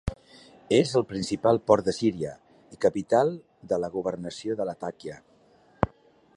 És el principal port de Síria i capital de la governació de Latakia.